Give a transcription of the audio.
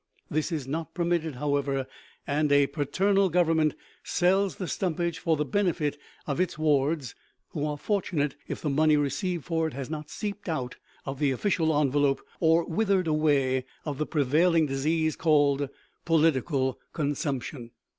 This is not permitted, however; and a paternal Government sells the stumpage for the benefit of its wards, who are fortunate if the money received for it has not seeped out of the official envelope or withered away of the prevailing disease called "political consumption."